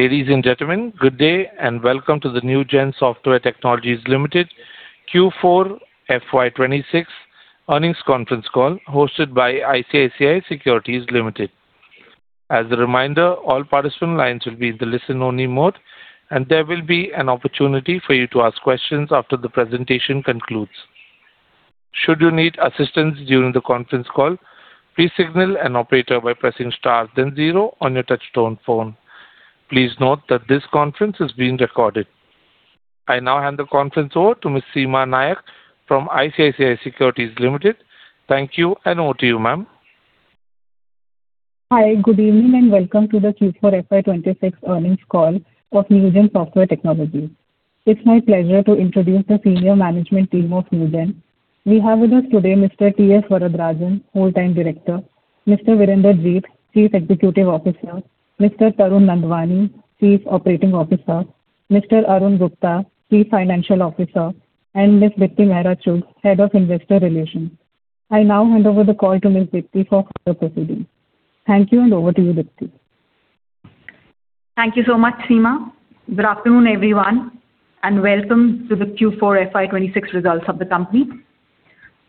Ladies and gentlemen, good day, and welcome to the Newgen Software Technologies Limited Q4 FY 2026 earnings conference call hosted by ICICI Securities Limited. As a reminder, all participant lines will be in the listen only mode, and there will be an opportunity for you to ask questions after the presentation concludes. Should you need assistance during the conference call, please signal an operator by pressing star then zero on your touchtone phone. Please note that this conference is being recorded. I now hand the conference over to Ms. Seema Nayak from ICICI Securities Limited. Thank you, and over to you, ma'am. Hi. Good evening, and welcome to the Q4 FY 2026 earnings call of Newgen Software Technologies. It's my pleasure to introduce the senior management team of Newgen. We have with us today Mr. T.S. Varadarajan, Whole-time Director, Mr. Virender Jeet, Chief Executive Officer, Mr. Tarun Nandwani, Chief Operating Officer, Mr. Arun Gupta, Chief Financial Officer, and Ms. Dipti Mehra Chugh, Head, Investor Relations. I now hand over the call to Ms. Dipti for further proceedings. Thank you, and over to you, Dipti. Thank you so much, Seema. Good afternoon, everyone, and welcome to the Q4 FY 2026 results of the company.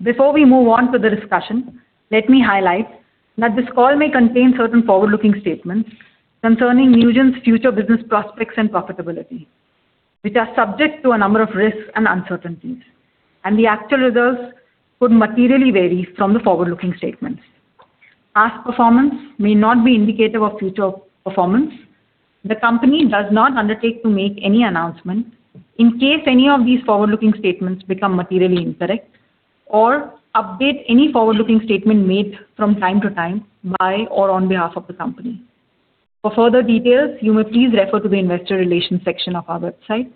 Before we move on to the discussion, let me highlight that this call may contain certain forward-looking statements concerning Newgen's future business prospects and profitability, which are subject to a number of risks and uncertainties, and the actual results could materially vary from the forward-looking statements. Past performance may not be indicative of future performance. The company does not undertake to make any announcement in case any of these forward-looking statements become materially incorrect or update any forward-looking statement made from time to time by or on behalf of the company. For further details, you may please refer to the investor relations section of our website.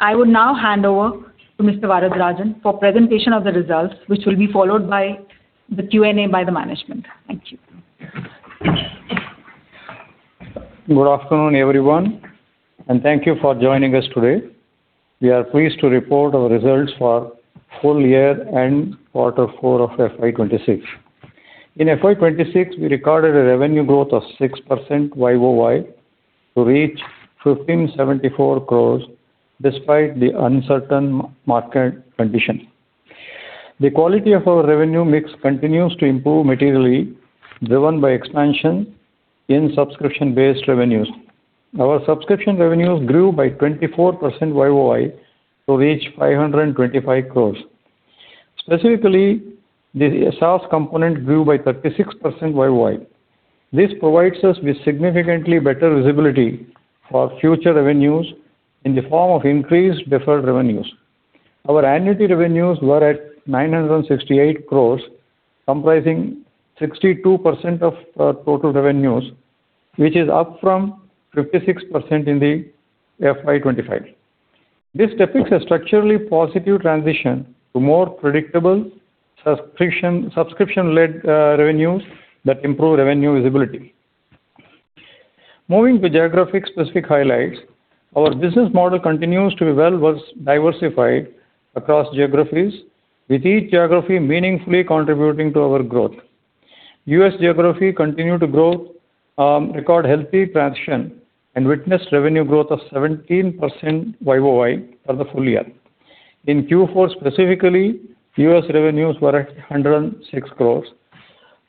I will now hand over to Mr. Varadarajan for presentation of the results, which will be followed by the Q&A by the management. Thank you. Good afternoon, everyone, and thank you for joining us today. We are pleased to report our results for full year and quarter four of FY 2026. In FY 2026, we recorded a revenue growth of 6% YOY to reach 1,574 crores despite the uncertain market condition. The quality of our revenue mix continues to improve materially, driven by expansion in subscription-based revenues. Our subscription revenues grew by 24% YOY to reach 525 crores. Specifically, the SaaS component grew by 36% YOY. This provides us with significantly better visibility for future revenues in the form of increased deferred revenues. Our annuity revenues were at 968 crores, comprising 62% of total revenues, which is up from 56% in the FY 2025. This depicts a structurally positive transition to more predictable subscription-led revenues that improve revenue visibility. Moving to geographic specific highlights, our business model continues to be well diversified across geographies, with each geography meaningfully contributing to our growth. U.S. geography continued to grow, record healthy traction, and witnessed revenue growth of 17% YOY for the full year. In Q4 specifically, U.S. revenues were at 106 crores,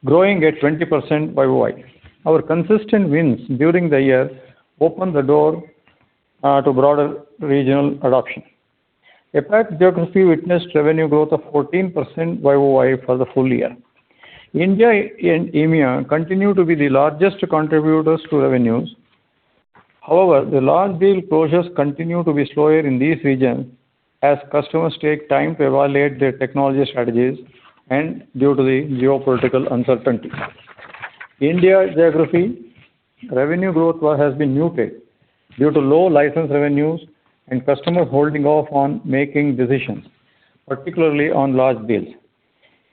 growing at 20% YOY. Our consistent wins during the year opened the door to broader regional adoption. APAC geography witnessed revenue growth of 14% YOY for the full year. India and EMEA continue to be the largest contributors to revenues. The large deal closures continue to be slower in these regions as customers take time to evaluate their technology strategies and due to the geopolitical uncertainty. India geography revenue growth has been muted due to low license revenues and customers holding off on making decisions, particularly on large deals.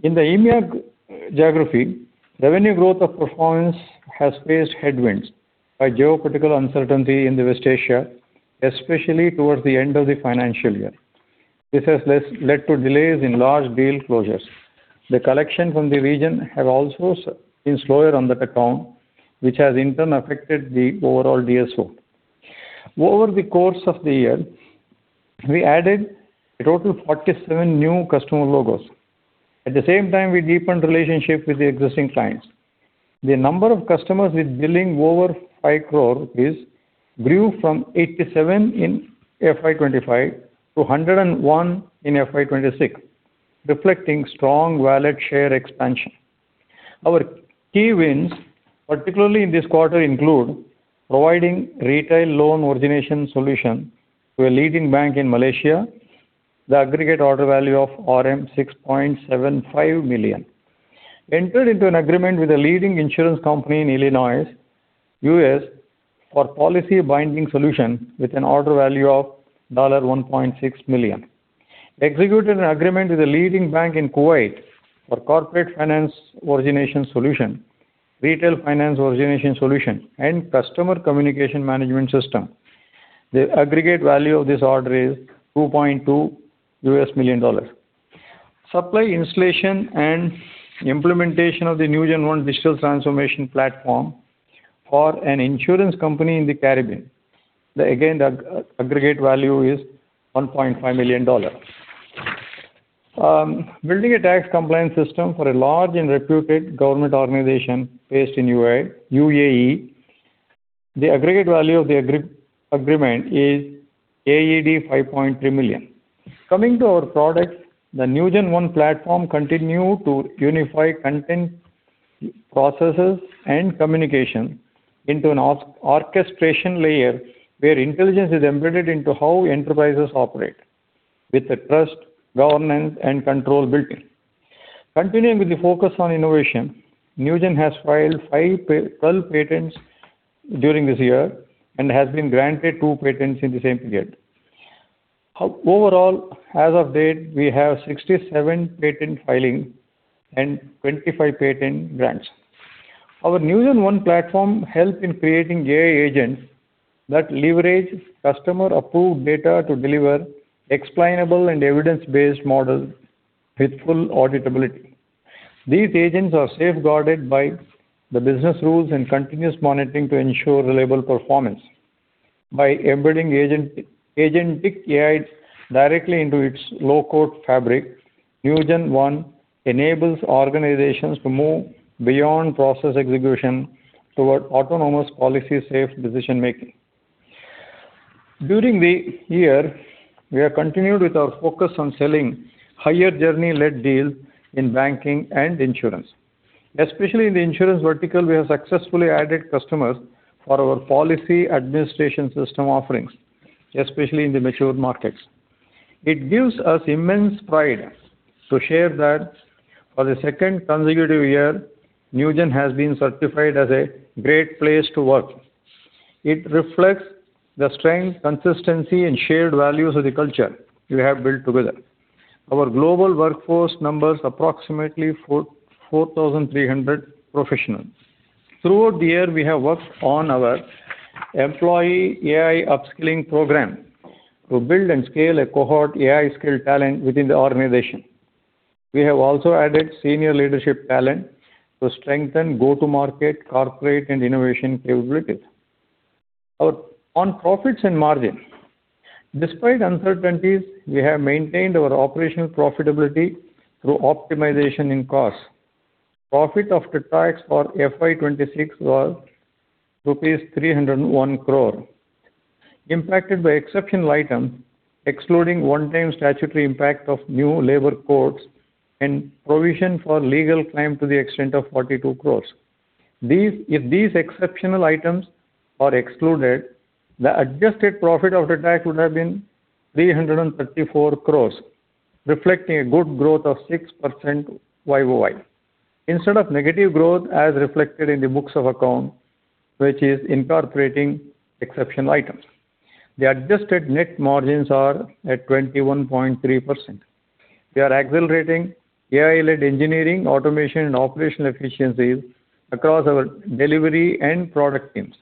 In the EMEA geography, revenue growth of performance has faced headwinds by geopolitical uncertainty in West Asia, especially towards the end of the financial year. This has led to delays in large deal closures. The collection from the region have also been slower on that account, which has in turn affected the overall DSO. Over the course of the year, we added a total 47 new customer logos. At the same time, we deepened relationship with the existing clients. The number of customers with billing over 5 crore rupees grew from 87 in FY 2025 to 101 in FY 2026, reflecting strong wallet share expansion. Our key wins, particularly in this quarter, include providing retail loan origination solution to a leading bank in Malaysia. The aggregate order value of RM 6.75 million. Entered into an agreement with a leading insurance company in Illinois, U.S., for policy binding solution with an order value of $1.6 million. Executed an agreement with a leading bank in Kuwait for corporate finance origination solution, retail finance origination solution, and customer communication management system. The aggregate value of this order is $2.2 million. Supply, installation, and implementation of the NewgenONE digital transformation platform for an insurance company in the Caribbean. Again, the aggregate value is $1.5 million. Building a tax compliance system for a large and reputed government organization based in UAE. The aggregate value of the agreement is AED 5.3 million. Coming to our products, the NewgenONE platform continue to unify content, processes, and communication into an orchestration layer where intelligence is embedded into how enterprises operate with the trust, governance, and control built in. Continuing with the focus on innovation, Newgen has filed 12 patents during this year and has been granted two patents in the same period. Overall, as of date, we have 67 patent filings and 25 patent grants. Our NewgenONE platform help in creating AI agents that leverage customer-approved data to deliver explainable and evidence-based models with full auditability. These agents are safeguarded by the business rules and continuous monitoring to ensure reliable performance. By embedding agentic AI directly into its low-code fabric, NewgenONE enables organizations to move beyond process execution toward autonomous policy-safe decision-making. During the year, we have continued with our focus on selling higher journey-led deals in banking and insurance. Especially in the insurance vertical, we have successfully added customers for our policy administration system offerings, especially in the mature markets. It gives us immense pride to share that for the second consecutive year, Newgen has been certified as a Great Place To Work. It reflects the strength, consistency, and shared values of the culture we have built together. Our global workforce numbers approximately 4,300 professionals. Throughout the year, we have worked on our employee AI upskilling program to build and scale a cohort AI skilled talent within the organization. We have also added senior leadership talent to strengthen go-to-market, corporate, and innovation capabilities. On profits and margin. Despite uncertainties, we have maintained our operational profitability through optimization in costs. Profit after tax for FY 2026 was rupees 301 crore. Impacted by exceptional items, excluding one-time statutory impact of new labor codes and provision for legal claim to the extent of 42 crores. If these exceptional items are excluded, the adjusted profit after tax would have been 334 crores, reflecting a good growth of 6% YOY. Instead of negative growth as reflected in the books of account, which is incorporating exceptional items. The adjusted net margins are at 21.3%. We are accelerating AI-led engineering, automation, and operational efficiencies across our delivery and product teams.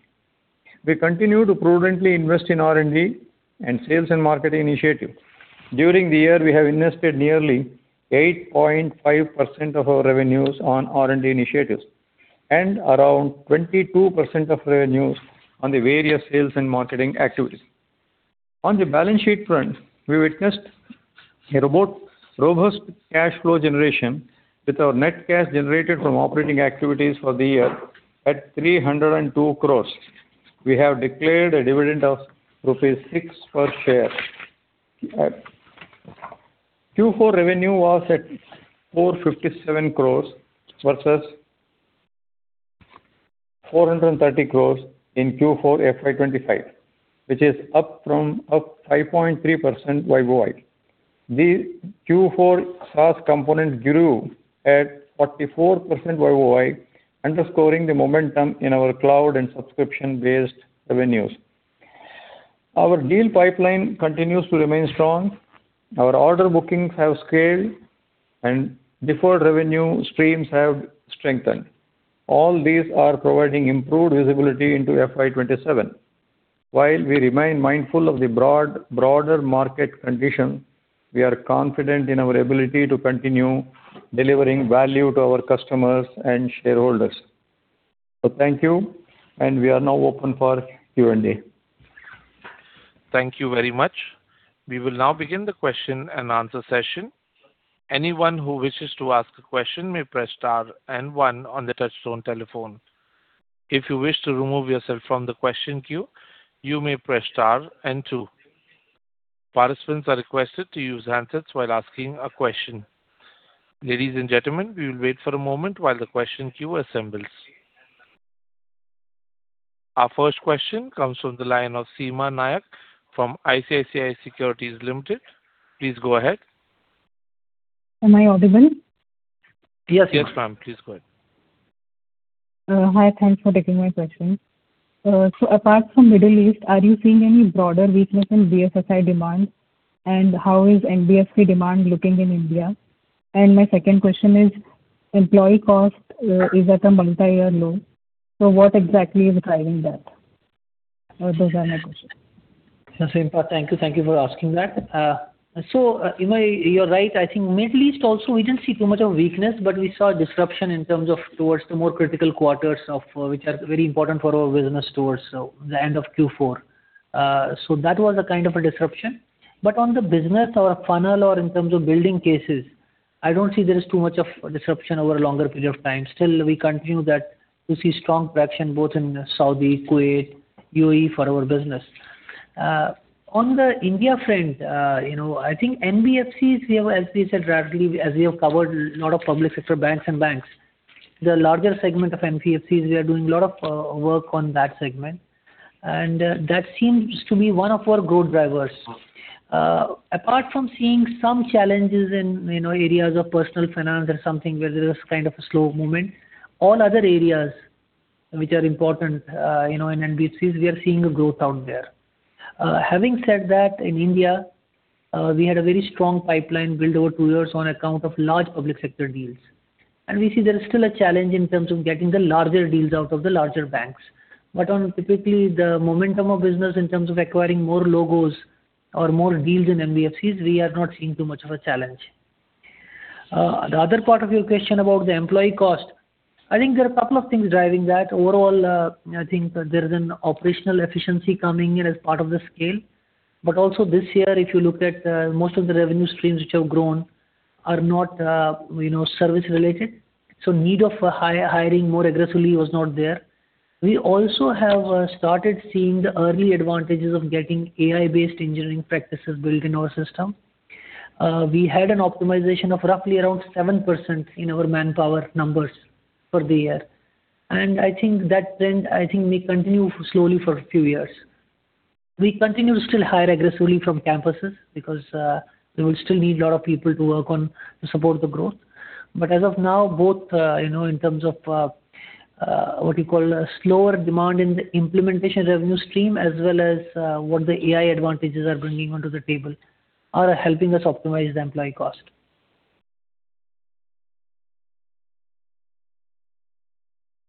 We continue to prudently invest in R&D and sales and marketing initiatives. During the year, we have invested nearly 8.5% of our revenues on R&D initiatives and around 22% of revenues on the various sales and marketing activities. On the balance sheet front, we witnessed a robust cash flow generation with our net cash generated from operating activities for the year at 302 crores. We have declared a dividend of rupees 6 per share. Q4 revenue was at 457 crores versus 430 crores in Q4 FY 2025, which is up 5.3% YOY. The Q4 SaaS component grew at 44% YOY, underscoring the momentum in our cloud and subscription-based revenues. Our deal pipeline continues to remain strong. Our order bookings have scaled and deferred revenue streams have strengthened. All these are providing improved visibility into FY 2027. While we remain mindful of the broader market condition, we are confident in our ability to continue delivering value to our customers and shareholders. Thank you, and we are now open for Q&A. Thank you very much. We will now begin the question-and-answer session. Anyone who wishes to ask a question may press star and one on the touchtone telephone. If you wish to remove yourself from the question queue, you may press star and two. Participants are requested to use handsets while asking a question. Ladies and gentlemen, we will wait for a moment while the question queue assembles. Our first question comes from the line of Seema Nayak from ICICI Securities Limited. Please go ahead. Am I audible? Yes, ma'am. Please go ahead. Hi. Thanks for taking my question. Apart from Middle East, are you seeing any broader weakness in BFSI demand? How is NBFC demand looking in India? My second question is, employee cost is at a multi-year low. What exactly is driving that? [inaudible] Sure, Seema. Thank you. Thank you for asking that. You know, you're right. I think Middle East also we didn't see too much of weakness, but we saw disruption in terms of towards the more critical quarters of, which are very important for our business towards the end of Q4. That was a kind of a disruption. On the business or funnel or in terms of building cases, I don't see there is too much of disruption over a longer period of time. Still, we continue that. We see strong traction both in Saudi, Kuwait, UAE for our business. On the India front, you know, I think NBFCs, we have, as we said, rapidly, as we have covered a lot of public sector banks and banks. The larger segment of NBFCs, we are doing a lot of work on that segment, and that seems to be one of our growth drivers. Apart from seeing some challenges in, you know, areas of personal finance or something where there is kind of a slow movement, all other areas which are important, you know, in NBFCs, we are seeing a growth out there. Having said that, in India, we had a very strong pipeline build over two years on account of large public sector deals. We see there is still a challenge in terms of getting the larger deals out of the larger banks. On typically the momentum of business in terms of acquiring more logos or more deals in NBFCs, we are not seeing too much of a challenge. The other part of your question about the employee cost, I think there are a couple of things driving that. Overall, I think there is an operational efficiency coming in as part of the scale. Also this year, if you look at, most of the revenue streams which have grown are not, you know, service-related, so need of hiring more aggressively was not there. We also have started seeing the early advantages of getting AI-based engineering practices built in our system. We had an optimization of roughly around 7% in our manpower numbers for the year. I think that trend, I think may continue slowly for a few years. We continue to still hire aggressively from campuses because we will still need a lot of people to work on to support the growth. As of now, both, you know, in terms of, what you call a slower demand in the implementation revenue stream, as well as, what the AI advantages are bringing onto the table are helping us optimize the employee cost.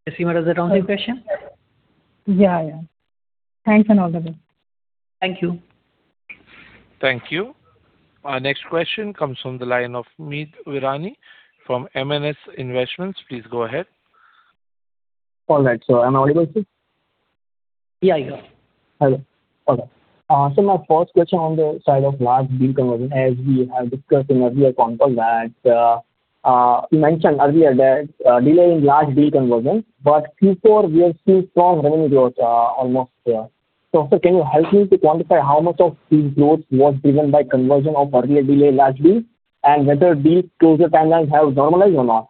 Does that answer your question? Yeah, yeah. Thanks a lot, Virender. Thank you. Thank you. Our next question comes from the line of Meet Virani from MNS Investments. Please go ahead. All right. Am I audible to you? Yeah, you are. Hello. Okay. My first question on the side of large deal conversion, as we have discussed in earlier conference that, you mentioned earlier that, delay in large deal conversion, but Q4 we have seen strong revenue growth. Sir, can you help me to quantify how much of this growth was driven by conversion of earlier delayed large deals and whether deal closure timelines have normalized or not?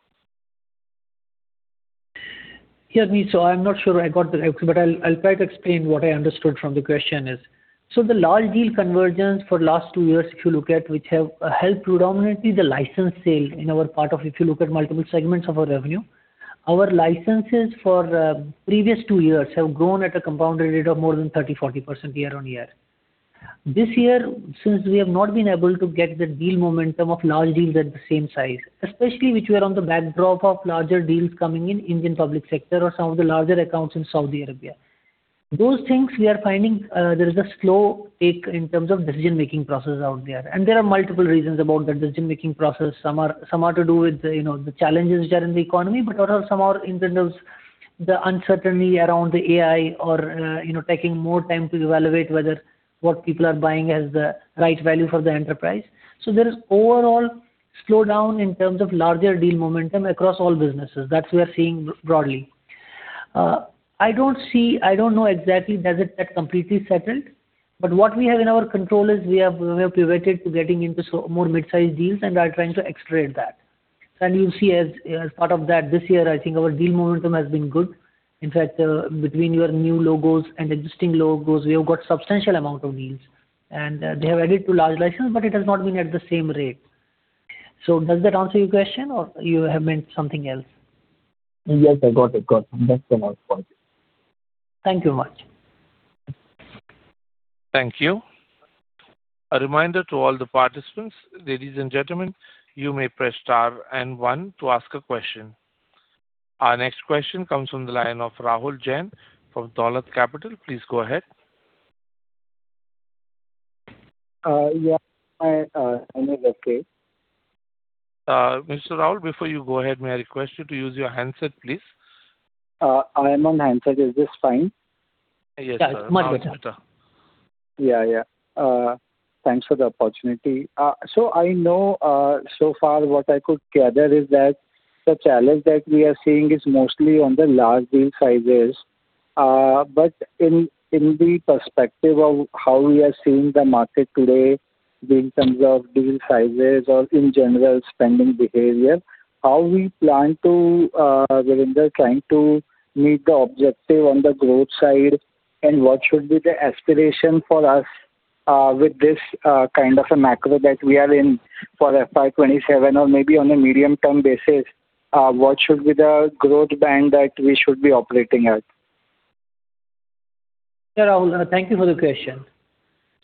Yeah, Meet, I'm not sure I got the. But I'll try to explain what I understood from the question is. The large deal conversion for last two years, if you look at which have helped predominantly the license sale in our part of, if you look at multiple segments of our revenue. Our licenses for previous two years have grown at a compounded rate of more than 30%-40% year-over-year. This year, since we have not been able to get the deal momentum of large deals at the same size, especially which were on the backdrop of larger deals coming in Indian public sector or some of the larger accounts in Saudi Arabia. Those things we are finding, there is a slow take in terms of decision-making processes out there. There are multiple reasons about the decision-making process. Some are to do with the, you know, the challenges which are in the economy, but also some are in terms of the uncertainty around the AI or, you know, taking more time to evaluate whether what people are buying has the right value for the enterprise. There is overall slowdown in terms of larger deal momentum across all businesses. That we are seeing broadly. I don't see, I don't know exactly has it had completely settled, but what we have in our control is we have pivoted to getting into some more mid-sized deals and are trying to accelerate that. You'll see as part of that this year, I think our deal momentum has been good. In fact, between your new logos and existing logos, we have got substantial amount of deals, and they have added to large license, but it has not been at the same rate. Does that answer your question or you have meant something else? Yes, I got it. Got it. That's enough for me. Thank you much. Thank you. A reminder to all the participants, ladies and gentlemen, you may press star and one to ask a question. Our next question comes from the line of Rahul Jain from Dolat Capital. Please go ahead. Yeah. I'm able to. Mr. Rahul, before you go ahead, may I request you to use your handset, please? I am on handset. Is this fine? Yes, sir. That's much better. Now it's better. Yeah, yeah. Thanks for the opportunity. So I know so far what I could gather is that the challenge that we are seeing is mostly on the large deal sizes. But in the perspective of how we are seeing the market today in terms of deal sizes or in general spending behavior, how we plan to Virender, trying to meet the objective on the growth side and what should be the aspiration for us with this kind of a macro that we are in for FY 2027 or maybe on a medium-term basis, what should be the growth band that we should be operating at? Yeah, Rahul. Thank you for the question.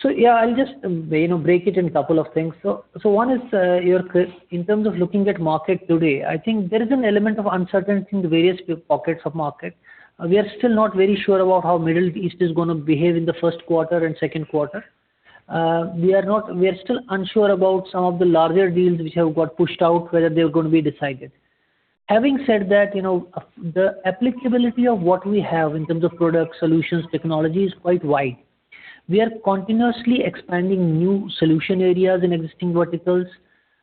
Yeah, I'll just, you know, break it into a couple of things. One is, in terms of looking at market today, I think there is an element of uncertainty in the various pockets of market. We are still not very sure about how Middle East is gonna behave in the first quarter and second quarter. We are still unsure about some of the larger deals which have got pushed out, whether they're gonna be decided. Having said that, you know, the applicability of what we have in terms of product solutions technology is quite wide. We are continuously expanding new solution areas in existing verticals.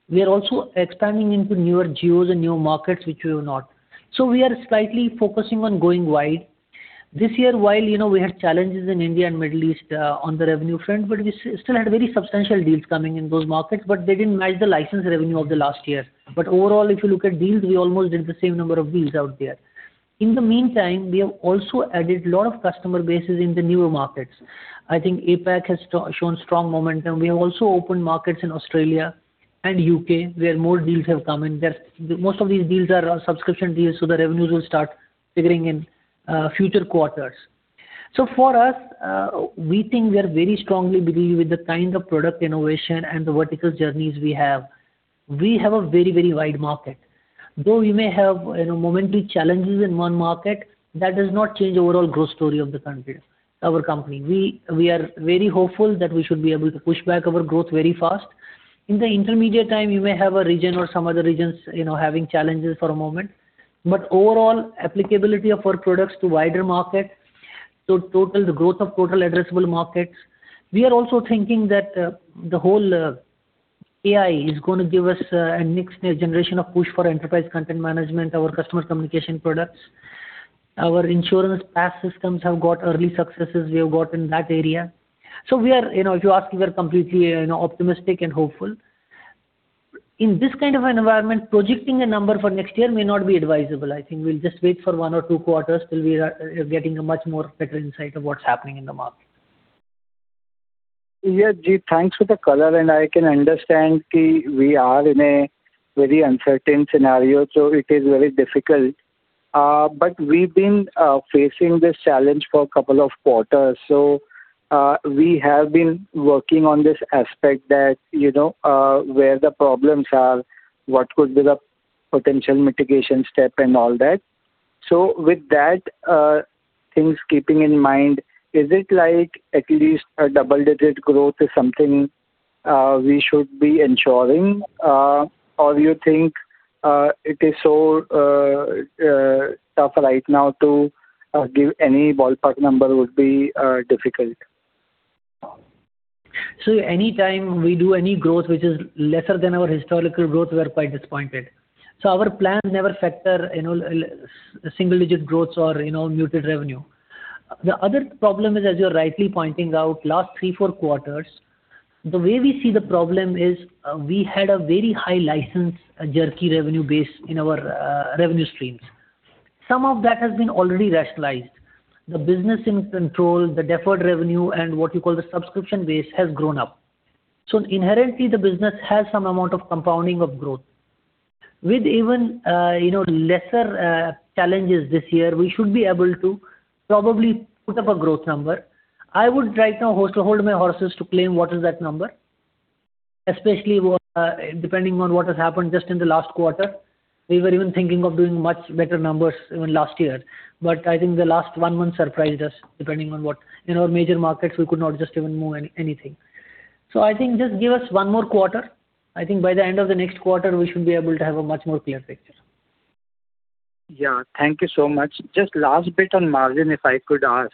We are also expanding into newer geos and new markets which we were not. We are slightly focusing on going wide. This year, while you know we had challenges in India and Middle East on the revenue front, but we still had very substantial deals coming in those markets, but they didn't match the license revenue of the last year. Overall, if you look at deals, we almost did the same number of deals out there. In the meantime, we have also added lot of customer bases in the newer markets. I think APAC has shown strong momentum. We have also opened markets in Australia and U.K., where more deals have come in. Most of these deals are subscription deals, so the revenues will start figuring in future quarters. For us, we think we are very strongly believe with the kind of product innovation and the vertical journeys we have. We have a very, very wide market. Though we may have, you know, momentary challenges in one market, that does not change overall growth story of the country, our company. We are very hopeful that we should be able to push back our growth very fast. In the intermediate time, we may have a region or some other regions, you know, having challenges for a moment. Overall applicability of our products to wider market, total, the growth of total addressable markets. We are also thinking that, the whole AI is gonna give us, a next generation of push for enterprise content management, our customer communication products. Our insurance PAS systems have got early successes we have got in that area. We are, you know, if you ask, we are completely, you know, optimistic and hopeful. In this kind of environment, projecting a number for next year may not be advisable. I think we'll just wait for one or two quarters till we are getting a much more better insight of what's happening in the market. Yeah, Jeet, thanks for the color, and I can understand that we are in a very uncertain scenario, so it is very difficult. We've been facing this challenge for a couple of quarters. We have been working on this aspect that, you know, where the problems are, what could be the potential mitigation step and all that. With that things keeping in mind, is it like at least a double-digit growth is something we should be ensuring? Or you think it is so tough right now to give any ballpark number would be difficult? Anytime we do any growth which is lesser than our historical growth, we are quite disappointed. Our plans never factor, you know, single-digit growths or, you know, muted revenue. The other problem is, as you're rightly pointing out, last three, four quarters, the way we see the problem is, we had a very high license lumpy revenue base in our, revenue streams. Some of that has been already rationalized. The business in control, the deferred revenue, and what you call the subscription base has grown up. Inherently, the business has some amount of compounding of growth. With even, you know, lesser, challenges this year, we should be able to probably put up a growth number. I would right now hold my horses to claim what is that number, especially depending on what has happened just in the last quarter. We were even thinking of doing much better numbers even last year. I think the last one month surprised us, depending on what, you know, major markets we could not just even move any, anything. I think just give us one more quarter. I think by the end of the next quarter, we should be able to have a much more clear picture. Yeah. Thank you so much. Just last bit on margin, if I could ask.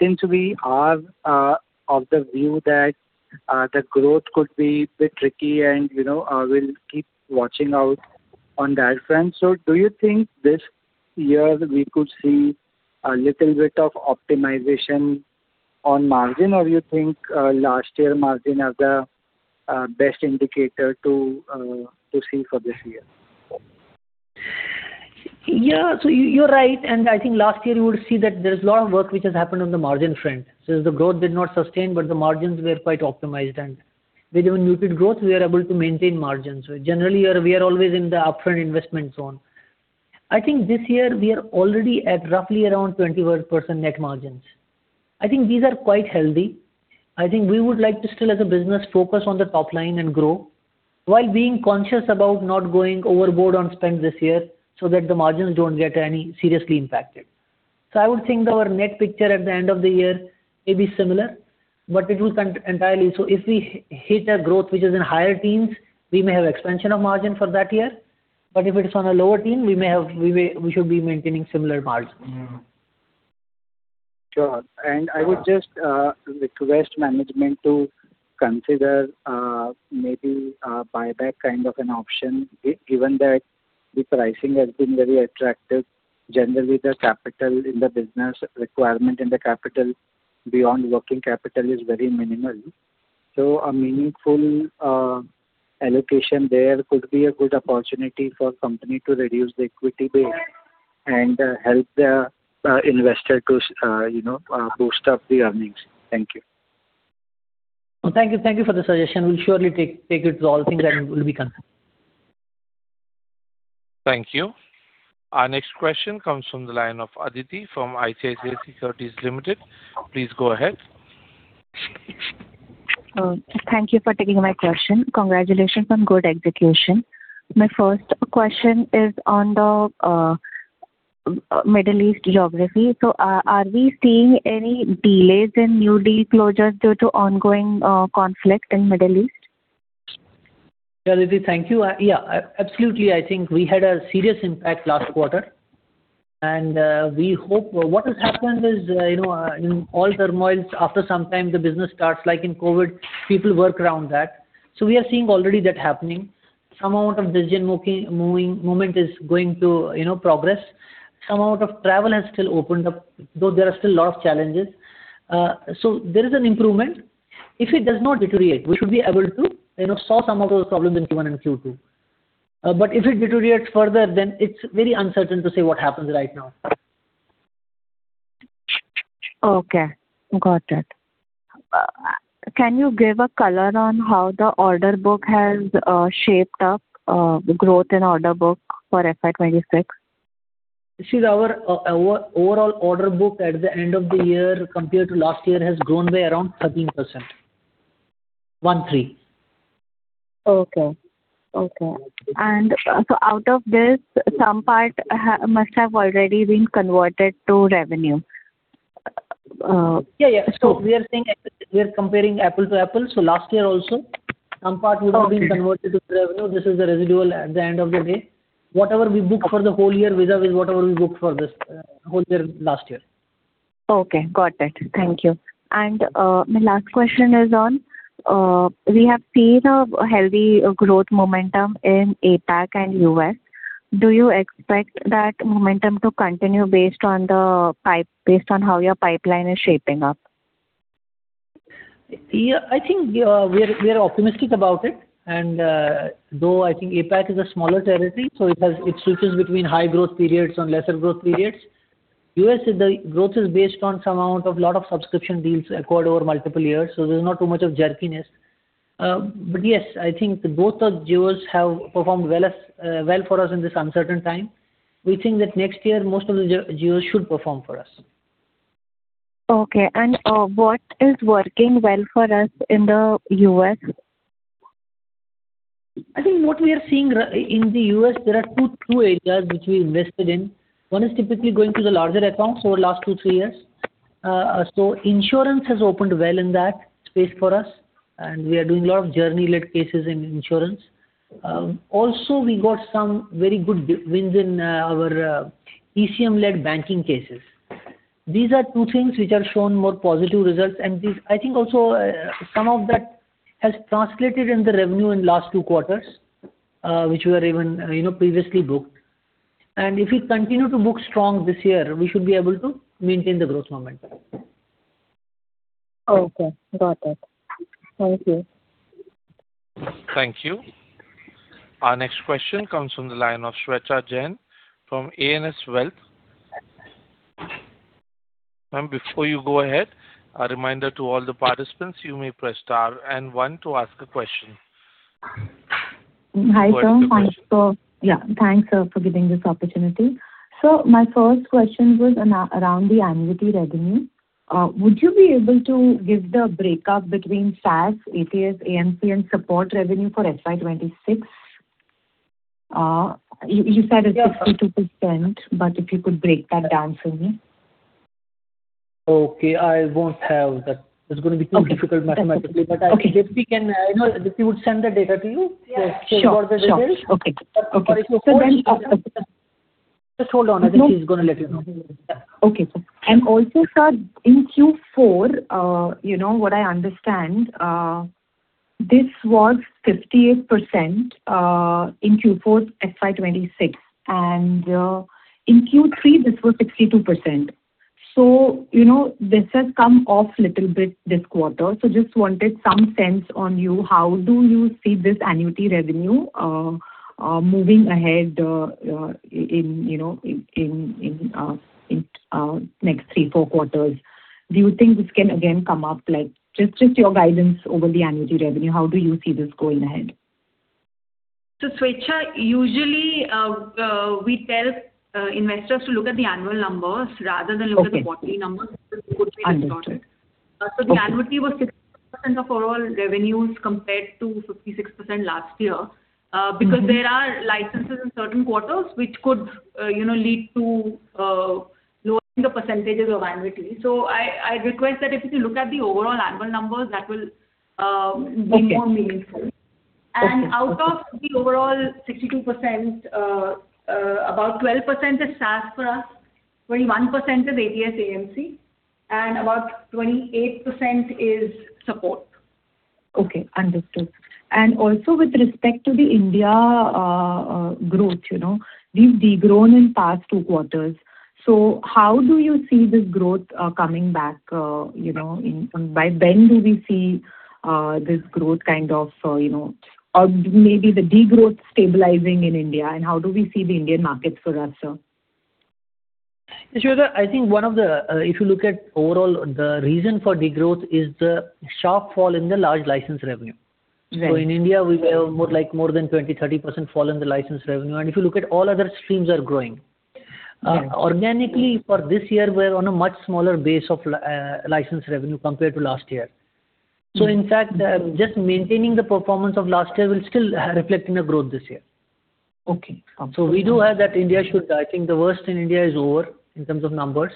Since we are of the view that the growth could be a bit tricky and, you know, we'll keep watching out on that front. Do you think this year we could see a little bit of optimization on margin, or you think last year margin are the best indicator to see for this year? Yeah. You, you're right. I think last year you would see that there's a lot of work which has happened on the margin front. Since the growth did not sustain, but the margins were quite optimized, and with even muted growth, we are able to maintain margins. Generally, we are always in the upfront investment zone. I think this year we are already at roughly around 21% net margins. I think these are quite healthy. I think we would like to still, as a business, focus on the top line and grow, while being conscious about not going overboard on spend this year so that the margins don't get any seriously impacted. I would think our net picture at the end of the year may be similar, but it will entirely. If we hit a growth which is in higher teens, we may have expansion of margin for that year. If it is on a lower teen, we should be maintaining similar margins. I would just request management to consider maybe a buyback kind of an option, given that the pricing has been very attractive. Generally, the capital in the business requirement and the capital beyond working capital is very minimal. A meaningful allocation there could be a good opportunity for company to reduce the equity base and help the investor to you know boost up the earnings. Thank you. Thank you. Thank you for the suggestion. We'll surely take it to all things and we'll be considering. Thank you. Our next question comes from the line of Aditi from ICICI Securities Limited. Please go ahead. Thank you for taking my question. Congratulations on good execution. My first question is on the Middle East geography. Are we seeing any delays in new deal closures due to ongoing conflict in Middle East? Yeah, Aditi, thank you. Yeah, absolutely. I think we had a serious impact last quarter. We hope. What has happened is, you know, in all turmoils, after some time the business starts. Like in COVID, people work around that. We are seeing already that happening. Some amount of decision making moving, movement is going to, you know, progress. Some amount of travel has still opened up, though there are still a lot of challenges. There is an improvement. If it does not deteriorate, we should be able to, you know, solve some of those problems in Q1 and Q2. If it deteriorates further, then it is very uncertain to say what happens right now. Okay. Got that. Can you give a color on how the order book has shaped up, the growth in order book for FY 2026? See, our overall order book at the end of the year compared to last year has grown by around 13%. One three. Okay. Out of this, some part must have already been converted to revenue. Yeah, yeah. So- We are comparing apples to apples. Last year also, some part would have been- Okay converted to revenue. This is the residual at the end of the day. Whatever we book for the whole year vis-à-vis whatever we booked for this whole year last year. Okay, got it. Thank you. My last question is on we have seen a healthy growth momentum in APAC and U.S. Do you expect that momentum to continue based on how your pipeline is shaping up? Yeah, I think we are optimistic about it. Though I think APAC is a smaller territory, so it switches between high growth periods and lesser growth periods. U.S., the growth is based on a lot of subscription deals acquired over multiple years, so there's not too much of jerkiness. Yes, I think both the geos have performed well for us in this uncertain time. We think that next year most of the geos should perform for us. Okay. What is working well for us in the U.S.? I think what we are seeing in the U.S., there are two areas which we invested in. One is typically going to the larger accounts over last two, three years. Insurance has opened well in that space for us, and we are doing a lot of journey-led cases in insurance. Also we got some very good wins in our ECM-led banking cases. These are two things which have shown more positive results. I think also, some of that has translated in the revenue in last twp quarters, which were even, you know, previously booked. If we continue to book strong this year, we should be able to maintain the growth momentum. Okay. Got it. Thank you. Thank you. Our next question comes from the line of Shweta Jain from ANS Wealth. Ma'am, before you go ahead, a reminder to all the participants, you may press star and one to ask a question. Go ahead, please. Hi, sir. Yeah, thanks for giving this opportunity. My first question was around the annuity revenue. Would you be able to give the breakup between SaaS, ATS, AMC, and support revenue for FY 2026? You said a- Yeah 62%, if you could break that down for me. Okay, I won't have that. Okay.... difficult mathematically. Okay. Dipti can and, you know, Dipti would send the data to you. Yeah. Just check what the result- Sure, sure. Okay. Okay. For Q4. So then Just hold on and Dipti is gonna let you know. Okay. Also, sir, in Q4, you know what I understand, this was 58% in Q4 FY 2026. In Q3 this was 62%. You know, this has come off little bit this quarter. Just wanted some sense on you, how do you see this annuity revenue moving ahead, in, you know, next three, four quarters? Do you think this can again come up? Like, just your guidance over the annuity revenue. How do you see this going ahead? Shweta, usually, we tell investors to look at the annual numbers rather than look at. Okay... the quarterly numbers because it could be distorted. Understood. Okay. The annuity was 60% of overall revenues compared to 56% last year. Mm-hmm. There are licenses in certain quarters which could, you know, lead to lowering the % of annuity. I request that if you look at the overall annual numbers, that will. Okay be more meaningful. Okay. Out of the overall 62%, about 12% is SaaS for us, 21% is ATS, AMC, and about 28% is support. Okay, understood. Also with respect to the India growth, you know, we've de-grown in past two quarters. How do you see this growth coming back, you know? By when do we see this growth kind of, you know, or maybe the de-growth stabilizing in India, and how do we see the Indian market for us, sir? Sure, I think if you look at overall, the reason for degrowth is the shortfall in the large license revenue. Right. In India, we have more like more than 20%, 30% fall in the license revenue. If you look at all other streams are growing. Yeah. Organically for this year, we're on a much smaller base of license revenue compared to last year. In fact, just maintaining the performance of last year will still reflect in the growth this year. Okay. We do have that I think the worst in India is over in terms of numbers,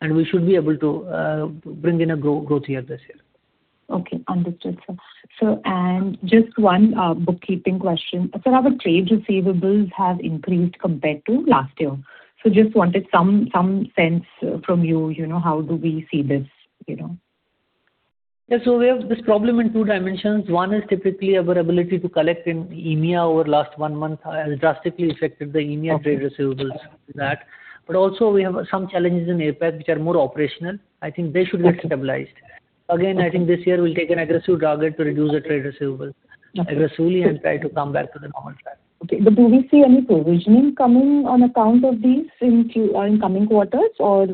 and we should be able to bring in a growth year this year. Okay. Understood, sir. Just one bookkeeping question. Sir, our trade receivables have increased compared to last year. Just wanted some sense from you know, how do we see this, you know? Yeah. We have this problem in two dimensions. One is typically our ability to collect in EMEA over last one month has drastically affected the EMEA trade receivables with that. Also we have some challenges in APAC, which are more operational. I think they should get stabilized. Again, I think this year we'll take an aggressive target to reduce the trade receivables- Okay. Aggressively and try to come back to the normal track. Okay. Do we see any provisioning coming on account of these in coming quarters or,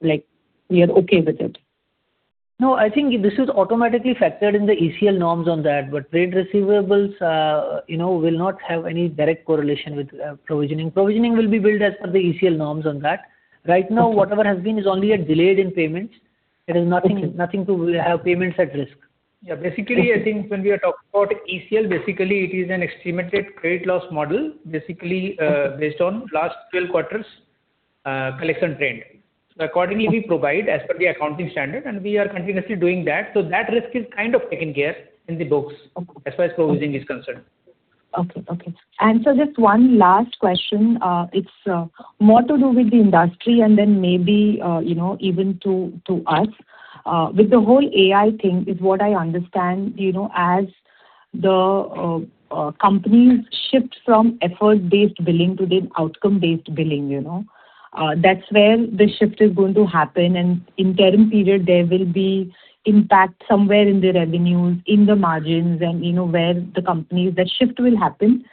like we are okay with it? No, I think this is automatically factored in the ECL norms on that. Trade receivables, you know, will not have any direct correlation with provisioning. Provisioning will be built as per the ECL norms on that. Right now, whatever has been is only a delay in payments. There is nothing, nothing to have payments at risk. Yeah. Basically, I think when we are talking about ECL, basically it is an estimated credit loss model, basically, based on last 12 quarters, collection trend. Accordingly, we provide as per the accounting standard, and we are continuously doing that. That risk is kind of taken care in the books. Okay. As far as provisioning is concerned. Okay. Just one last question. It's more to do with the industry and then maybe, you know, even to us. With the whole AI thing is what I understand, you know, as the companies shift from effort-based billing to the outcome-based billing, you know. That's where the shift is going to happen. Interim period, there will be impact somewhere in the revenues, in the margins and, you know, where the companies. That shift will happen.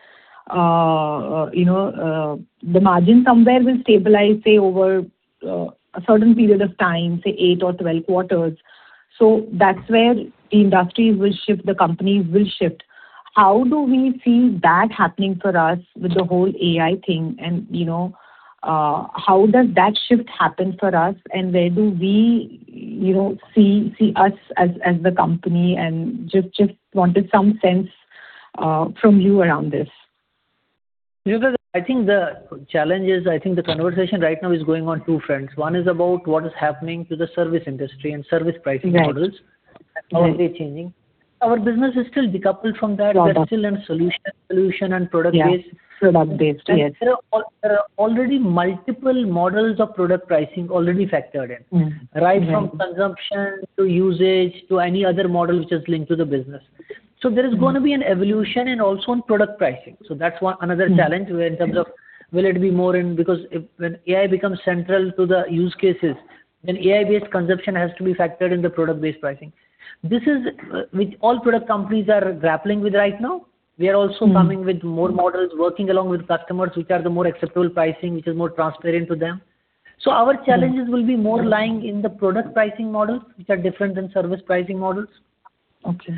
You know, the margin somewhere will stabilize, say, over a certain period of time, say, eight or 12 quarters. That's where the industries will shift, the companies will shift. How do we see that happening for us with the whole AI thing and, you know, how does that shift happen for us and where do we, you know, see us as the company and just wanted some sense, from you around this? I think the challenge is, I think the conversation right now is going on two fronts. One is about what is happening to the service industry and service pricing models. Right. How they're changing. Our business is still decoupled from that. Okay. We're still in solution and product-based. Yeah. Product-based. Yes. There are already multiple models of product pricing already factored in. Right. Right from consumption to usage to any other model which is linked to the business. There is gonna be an evolution and also on product pricing. That's one, another challenge. Because if, when AI becomes central to the use cases, then AI-based consumption has to be factored in the product-based pricing. This is which all product companies are grappling with right now. We are also coming with more models, working along with customers, which are the more acceptable pricing, which is more transparent to them. Our challenges will be more lying in the product pricing models, which are different than service pricing models. Okay.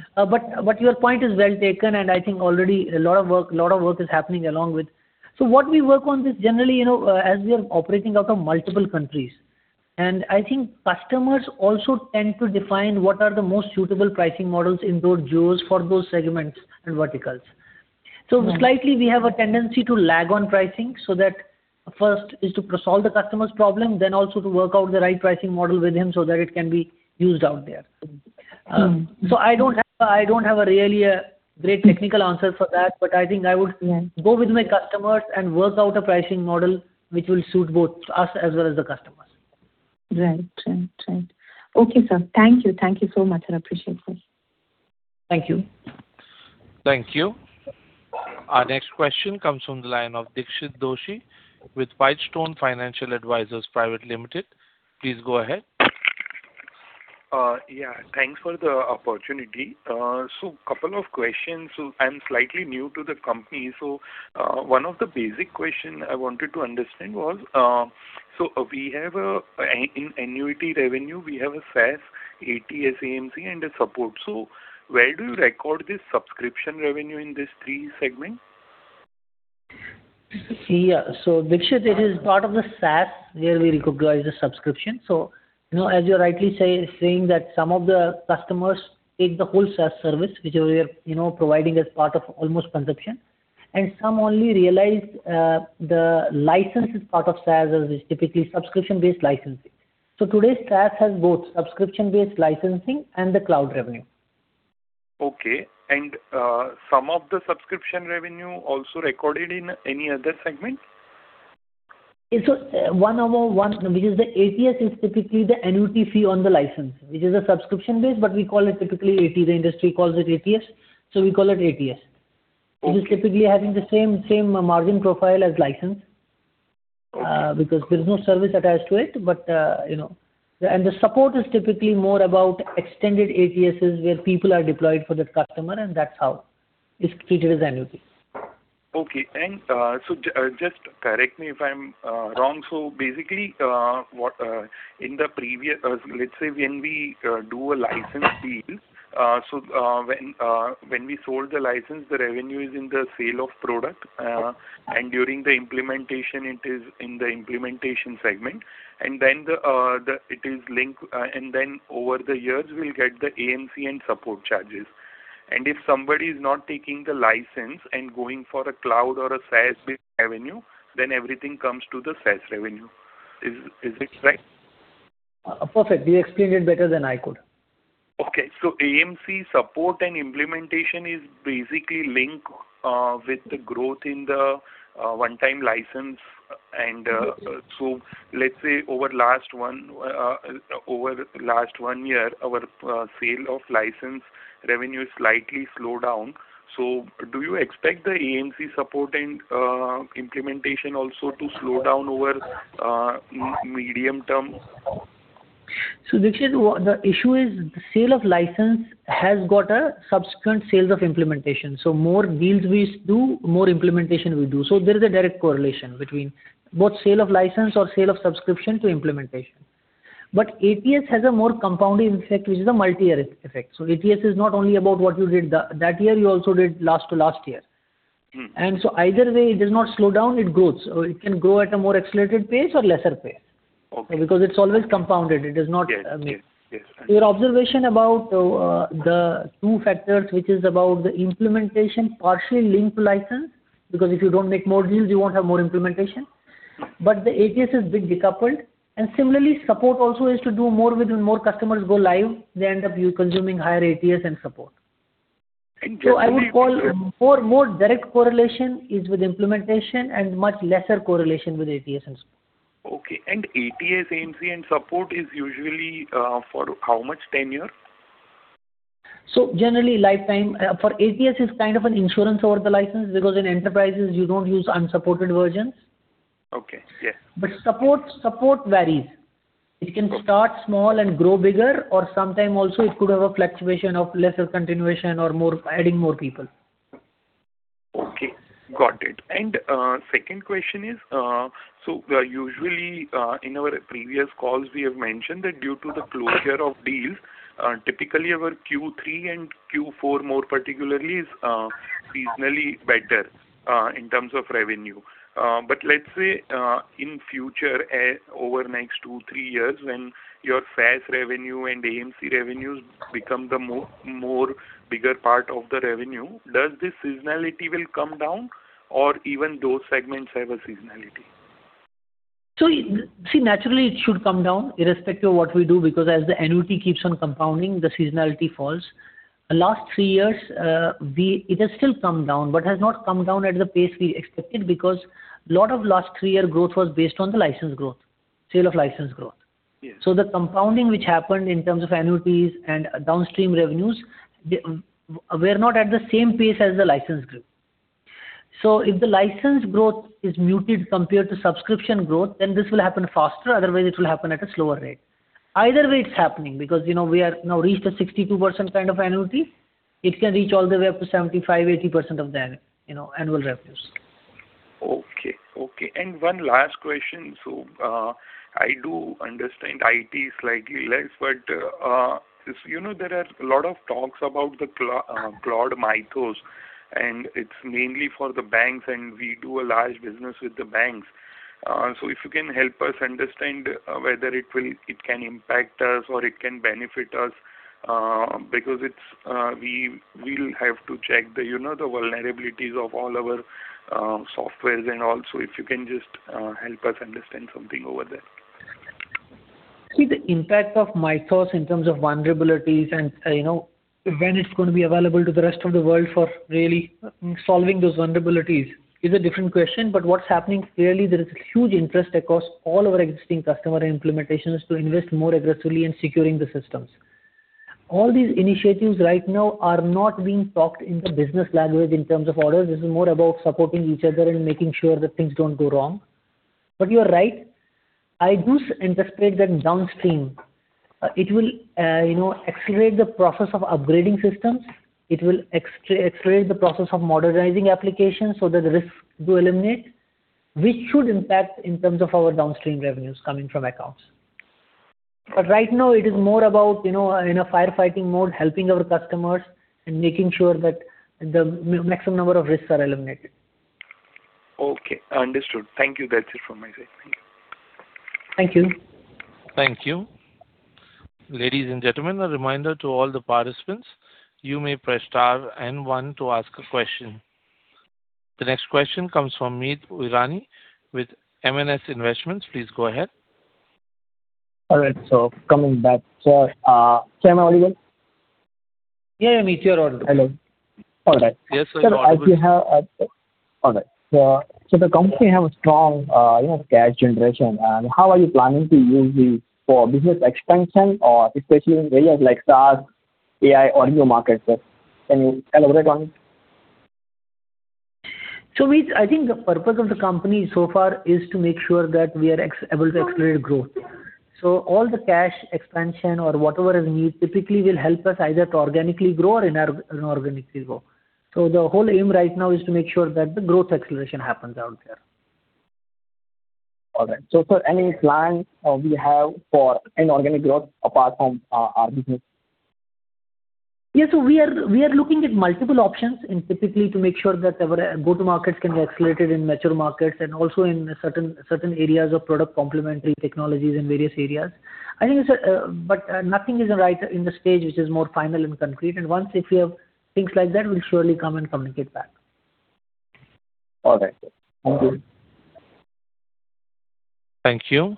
Your point is well taken, and I think already a lot of work is happening along with. What we work on this generally, you know, as we are operating out of multiple countries, and I think customers also tend to define what are the most suitable pricing models in those geos for those segments and verticals. Right. Slightly we have a tendency to lag on pricing, so that first is to solve the customer's problem, then also to work out the right pricing model with him so that it can be used out there. I don't have a really great technical answer for that, but I think I would go with my customers and work out a pricing model which will suit both us as well as the customers. Right. Okay, sir. Thank you. Thank you so much. I appreciate this. Thank you. Thank you. Our next question comes from the line of Dixit Doshi with Whitestone Financial Advisors Private Limited. Please go ahead. Yeah. Thanks for the opportunity. Couple of questions. I'm slightly new to the company. One of the basic question I wanted to understand was, in annuity revenue, we have a SaaS, ATS, AMC, and a support. Where do you record this subscription revenue in this three segment? Yeah. Dixit, it is part of the SaaS where we recognize the subscription. You know, as you're rightly saying that some of the customers take the whole SaaS service, which we are, you know, providing as part of almost consumption. Some only realize the license is part of SaaS, which is typically subscription-based licensing. Today's SaaS has both subscription-based licensing and the cloud revenue. Okay. Some of the subscription revenue also recorded in any other segment? Because the ATS is typically the annuity fee on the license. It is a subscription-based, but we call it typically AT. The industry calls it ATS, so we call it ATS. Okay. It is typically having the same margin profile as license, because there's no service attached to it. But, you know. The support is typically more about extended ATSs where people are deployed for the customer, and that's how it's treated as annuity. Okay. Just correct me if I'm wrong. Basically, let's say when we do a license deal, when we sold the license, the revenue is in the sale of product. During the implementation, it is in the implementation segment. Then it is linked, and then over the years we'll get the AMC and support charges. If somebody is not taking the license and going for a cloud or a SaaS-based revenue, then everything comes to the SaaS revenue. Is it right? Perfect. He explained it better than I could. Okay. AMC support and implementation is basically linked with the growth in the one-time license and, let's say over last one year, our sale of license revenue slightly slowed down. Do you expect the AMC support and implementation also to slow down over medium term? Dixit, what the issue is, sale of license has got a subsequent sales of implementation. More deals we do, more implementation we do. There is a direct correlation between both sale of license or sale of subscription to implementation. ATS has a more compounding effect, which is a multi-year effect. ATS is not only about what you did that year, you also did last to last year. Mm-hmm. Either way, it does not slow down, it grows. It can grow at a more accelerated pace or lesser pace. Okay. Because it's always compounded. It is not, I mean. Yes, yes. Your observation about the two factors, which is about the implementation partially linked to license, because if you don't make more deals, you won't have more implementation. The ATS is bit decoupled. Similarly, support also is to do more with more customers go live, they end up consuming higher ATS and support. And generally- I would call for more direct correlation is with implementation and much lesser correlation with ATS and support. Okay. ATS, AMC, and support is usually for how much tenure? Generally lifetime. For ATS is kind of an insurance over the license because in enterprises you don't use unsupported versions. Okay. Yes. Support varies. Okay. It can start small and grow bigger or sometimes also it could have a fluctuation of lesser continuation or more, adding more people. Okay. Got it. Second question is, usually, in our previous calls we have mentioned that due to the closure of deals, typically our Q3 and Q4 more particularly is seasonally better in terms of revenue. Let's say, in future, over next two, three years, when your SaaS revenue and AMC revenues become the more bigger part of the revenue, does this seasonality will come down or even those segments have a seasonality? Naturally it should come down irrespective of what we do because as the annuity keeps on compounding, the seasonality falls. Last three years, it has still come down, but has not come down at the pace we expected because lot of last three-year growth was based on the license growth, sale of license growth. Yes. The compounding which happened in terms of annuities and downstream revenues, they were not at the same pace as the license growth. If the license growth is muted compared to subscription growth, then this will happen faster, otherwise it will happen at a slower rate. Either way it's happening because, you know, we are now reached a 62% kind of annuity. It can reach all the way up to 75%-80% of the, you know, annual revenues. Okay. One last question. I do understand IT slightly less, but this, you know, there are a lot of talks about the Claude Mythos, and it's mainly for the banks, and we do a large business with the banks. If you can help us understand whether it will impact us or it can benefit us. Because it's, we'll have to check the, you know, the vulnerabilities of all our softwares and all. If you can just help us understand something over there. See, the impact of Mythos in terms of vulnerabilities and, you know, when it's gonna be available to the rest of the world for really solving those vulnerabilities is a different question. But what's happening clearly there is a huge interest across all our existing customer implementations to invest more aggressively in securing the systems. All these initiatives right now are not being talked in the business language in terms of orders. This is more about supporting each other and making sure that things don't go wrong. But you are right. I do anticipate that downstream, it will, you know, accelerate the process of upgrading systems. It will accelerate the process of modernizing applications so that the risks do eliminate, which should impact in terms of our downstream revenues coming from accounts. Right now it is more about, you know, in a firefighting mode, helping our customers and making sure that the maximum number of risks are eliminated. Okay. Understood. Thank you. That's it from my side. Thank you. Thank you. Thank you. Ladies and gentlemen, a reminder to all the participants. You may press star and one to ask a question. The next question comes from Meet Virani with MNS Investments. Please go ahead. All right. Coming back, sir. Sir, am I audible? Yeah, yeah. Meet, you're audible. Hello. All right. Yes, sir. You're audible. Sir, the company have a strong, you know, cash generation. How are you planning to use this for business expansion or especially in areas like SaaS, AI, or new markets, sir? Can you elaborate on it? Meet, I think the purpose of the company so far is to make sure that we are able to accelerate growth. All the cash expansion or whatever is needed typically will help us either to organically grow or inorganically grow. The whole aim right now is to make sure that the growth acceleration happens out there. All right. Sir, any plans we have for inorganic growth apart from our business? Yes. We are looking at multiple options and typically to make sure that our go-to-markets can be accelerated in mature markets and also in certain areas of product complementary technologies in various areas. I think nothing is at the stage which is more final and concrete. Once we have things like that, we'll surely come and communicate back. All right. Thank you. Thank you.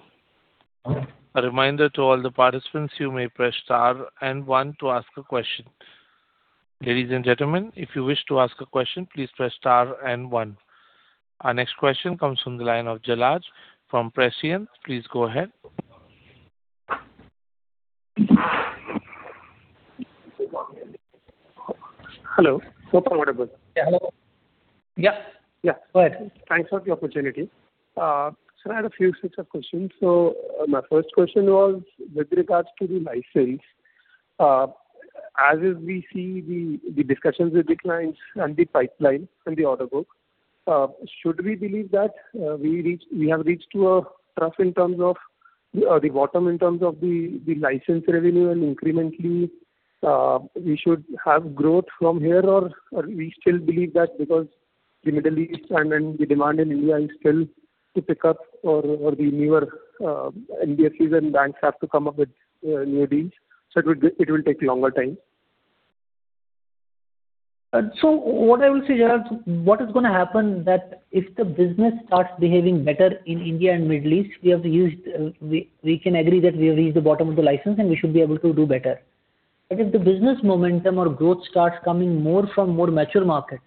A reminder to all the participants, you may press star and one to ask a question. Ladies and gentlemen, if you wish to ask a question, please press star and one. Our next question comes from the line of Jalaj from Prescient. Please go ahead. Hello. Hope I'm audible. Yeah. Hello? Yeah. Yeah. Go ahead. Thanks for the opportunity. Sir, I had a few sets of questions. My first question was with regards to the license. As we see the discussions with the clients and the pipeline and the order book, should we believe that we have reached to a trough in terms of the bottom in terms of the license revenue and incrementally we should have growth from here? Or we still believe that because the Middle East and then the demand in India is still to pick up or the newer NBFCs and banks have to come up with new deals, so it will take longer time. What I will say, Jalaj, what is gonna happen is that if the business starts behaving better in India and Middle East, we have reached, we can agree that we have reached the bottom of the license, and we should be able to do better. If the business momentum or growth starts coming more from more mature markets,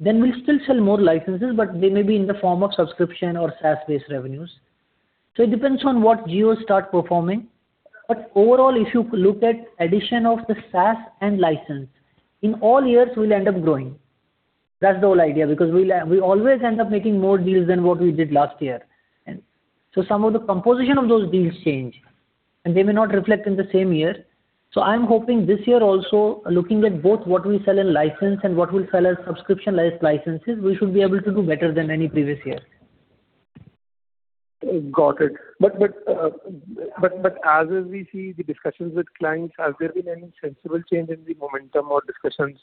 then we'll still sell more licenses, but they may be in the form of subscription or SaaS-based revenues. It depends on what geos start performing. Overall, if you look at addition of the SaaS and license, in all years we'll end up growing. That's the whole idea, because we'll, we always end up making more deals than what we did last year. Some of the composition of those deals change, and they may not reflect in the same year. I'm hoping this year also, looking at both what we sell in license and what we'll sell as subscription-based licenses, we should be able to do better than any previous year. Got it. As we see the discussions with clients, has there been any sensible change in the momentum or discussions,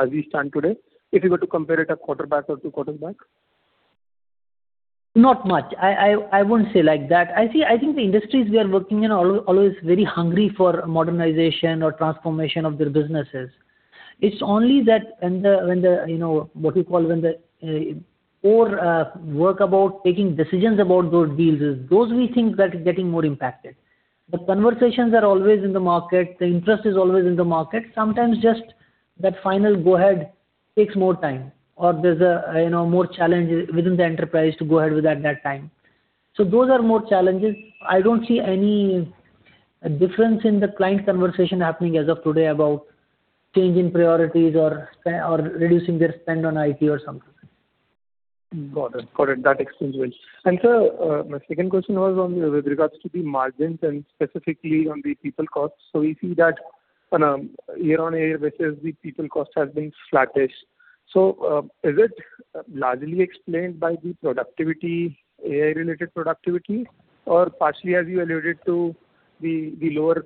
as we stand today, if you were to compare it a quarter back or two quarters back? Not much. I wouldn't say like that. I see. I think the industries we are working in are always very hungry for modernization or transformation of their businesses. It's only that when the, you know, what you call when the more work about taking decisions about those deals, those we think that is getting more impacted. The conversations are always in the market. The interest is always in the market. Sometimes just that final go-ahead takes more time or there's a, you know, more challenge within the enterprise to go ahead with at that time. So those are more challenges. I don't see any difference in the client conversation happening as of today about change in priorities or reducing their spend on IT or something. Got it. That explains well. Sir, my second question was on with regards to the margins and specifically on the people costs. We see that on a year-on-year basis, the people cost has been flattish. Is it largely explained by the productivity, AI-related productivity, or partially as you alluded to the lower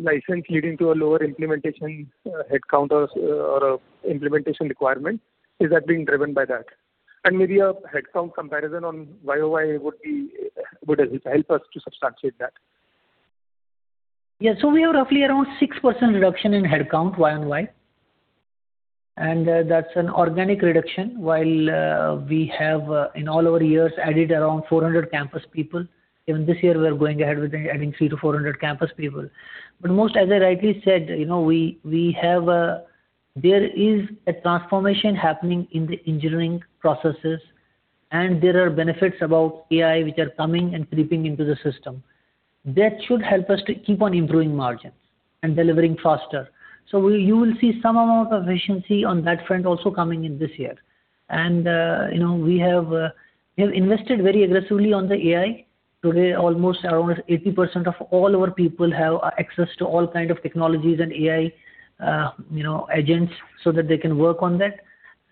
license leading to a lower implementation headcount or implementation requirement? Is that being driven by that? Maybe a headcount comparison on YOY would help us to substantiate that. Yeah. We have roughly around 6% reduction in headcount YOY, and that's an organic reduction. While we have in all our years added around 400 campus people, even this year we are going ahead with adding 300-400 campus people. Most, as I rightly said, you know, we have a transformation happening in the engineering processes and there are benefits about AI which are coming and creeping into the system. That should help us to keep on improving margins and delivering faster. You will see some amount of efficiency on that front also coming in this year. You know, we have invested very aggressively on the AI. Today, almost around 80% of all our people have access to all kind of technologies and AI, you know, agents so that they can work on that.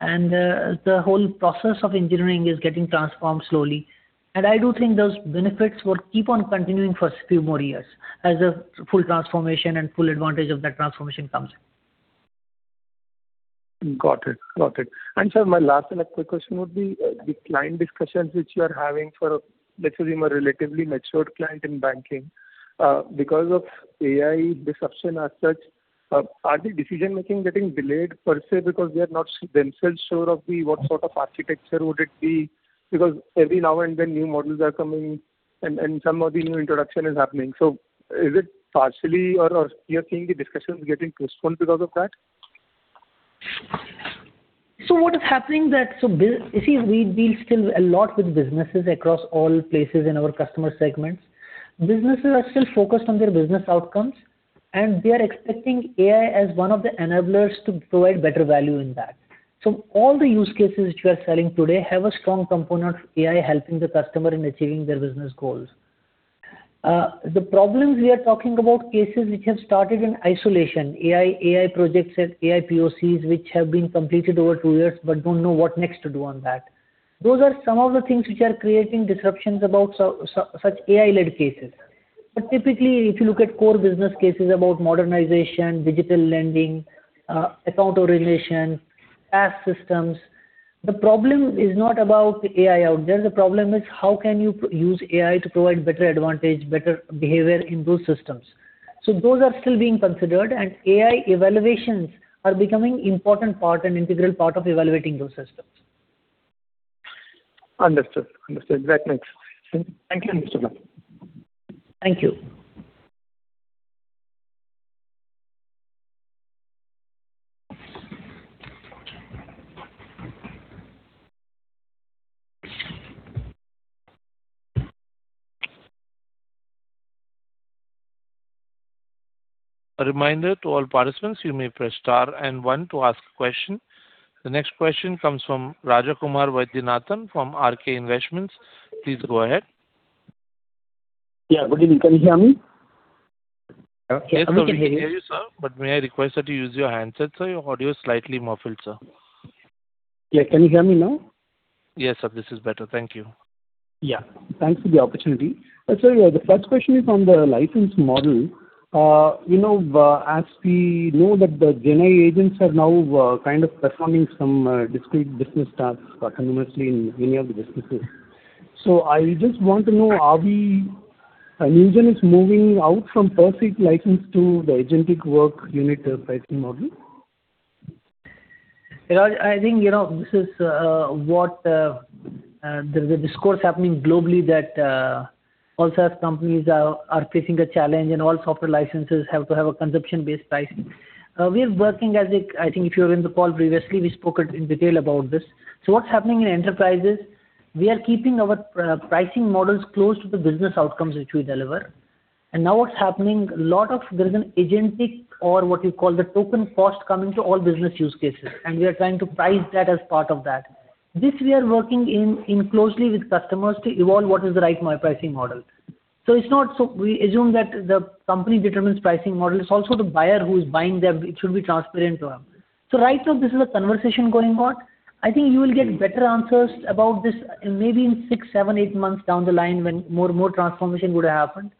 The whole process of engineering is getting transformed slowly. I do think those benefits will keep on continuing for few more years as the full transformation and full advantage of that transformation comes in. Got it. Sir, my last and a quick question would be, the client discussions which you are having for, let's assume, a relatively matured client in banking, because of AI disruption as such, are the decision-making getting delayed per se because they are not themselves sure of the what sort of architecture would it be? Because every now and then new models are coming and some of the new introduction is happening. Is it partially or you are seeing the discussions getting postponed because of that? You see, we deal still a lot with businesses across all places in our customer segments. Businesses are still focused on their business outcomes, and they are expecting AI as one of the enablers to provide better value in that. All the use cases which we are selling today have a strong component of AI helping the customer in achieving their business goals. The problems we are talking about cases which have started in isolation, AI projects and AI POCs which have been completed over two years but don't know what next to do on that. Those are some of the things which are creating disruptions about such AI-led cases. Typically, if you look at core business cases about modernization, digital lending, account origination, PAS systems, the problem is not about AI out there. The problem is how can you use AI to provide better advantage, better behavior in those systems. Those are still being considered and AI evaluations are becoming important part and integral part of evaluating those systems. Understood. That makes sense. Thank you, Mr. Virender. Thank you. A reminder to all participants, you may press star and one to ask a question. The next question comes from Rajakumar Vaidyanathan from RK Investments. Please go ahead. Yeah. Good evening. Can you hear me? Yes, sir. We can hear you, sir. But may I request that you use your handset, sir. Your audio is slightly muffled, sir. Yeah. Can you hear me now? Yes, sir. This is better. Thank you. Yeah. Thanks for the opportunity. The first question is on the license model. You know, as we know that the GenAI agents are now kind of performing some discrete business tasks autonomously in many of the businesses. I just want to know, is Newgen moving out from per-seat license to the agentic work unit pricing model? Raj, I think, you know, this is what there's a discourse happening globally that all SaaS companies are facing a challenge and all software licenses have to have a consumption-based pricing. We are working. I think if you were in the call previously, we spoke it in detail about this. What's happening in enterprises, we are keeping our pricing models close to the business outcomes which we deliver. Now what's happening, a lot of. There's an agentic or what you call the token cost coming to all business use cases, and we are trying to price that as part of that. This we are working closely with customers to evolve what is the right pricing model. It's not. We assume that the company determines pricing model. It's also the buyer who is buying them. It should be transparent to them. Right now, this is a conversation going on. I think you will get better answers about this maybe in six, seven, eight months down the line when more transformation would have happened.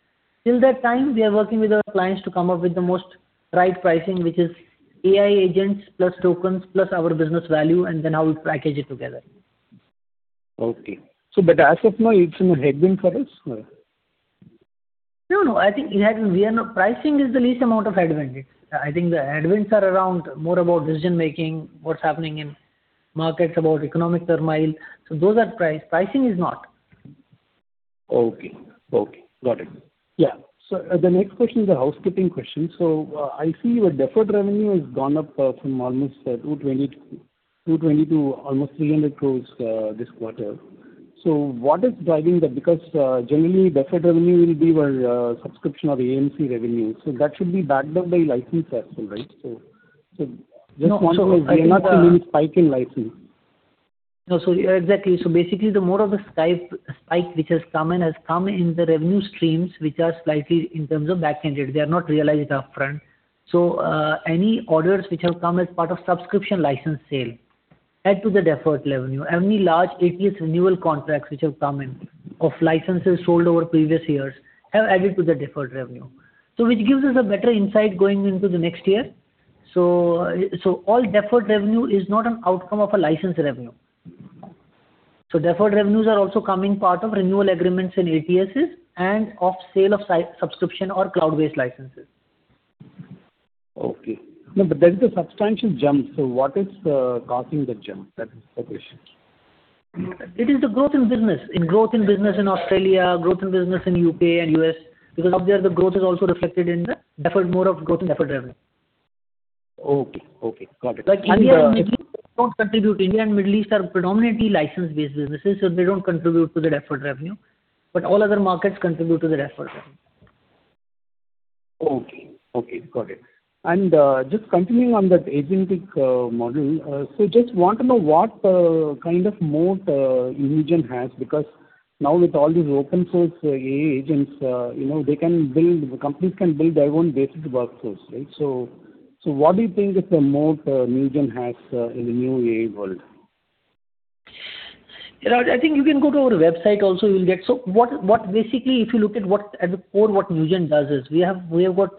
Till that time, we are working with our clients to come up with the most right pricing, which is AI agents plus tokens plus our business value, and then how we package it together. Okay. As of now, it's in a headwind for us? No, no. I think pricing is the least amount of headwind. I think the headwinds are around more about decision-making, what's happening in markets about economic turmoil. Those are price. Pricing is not. Okay. Got it. Yeah. The next question is a housekeeping question. I see your deferred revenue has gone up from almost 220 crore to almost 300 crore this quarter. What is driving that? Because generally deferred revenue will be your subscription or AMC revenue. That should be backed up by license as well, right? Just want to know- No. I think, We are not seeing a spike in licenses. No. Exactly. Basically, the more of the spike which has come in has come in the revenue streams which are slightly in terms of back-ended. They are not realized upfront. Any orders which have come as part of subscription license sale add to the deferred revenue. Any large ATS renewal contracts which have come in of licenses sold over previous years have added to the deferred revenue. Which gives us a better insight going into the next year. All deferred revenue is not an outcome of a license revenue. Deferred revenues are also coming as part of renewal agreements and ATSs and from sale of subscription or cloud-based licenses. Okay. No, there is a substantial jump. What is causing the jump? That is the question. It is the growth in business. In growth in business in Australia, growth in business in U.K. and U.S. Because out there the growth is also reflected in the deferred revenue, more of growth in deferred revenue. Okay. Got it. Like India and Middle East don't contribute. India and Middle East are predominantly license-based businesses, so they don't contribute to the deferred revenue. All other markets contribute to the deferred revenue. Okay. Got it. Just continuing on that agentic model. Just want to know what kind of moat Newgen has. Because now with all these open source AI agents, you know, the companies can build their own basic workflows, right? What do you think is the moat Newgen has in the new AI world? Raj, I think you can go to our website also, you'll get. What basically, if you look at what at the core what Newgen does is we have got,